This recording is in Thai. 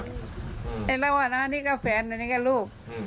แต่เราก็นี่ก็แฟนนี่ก็ลูก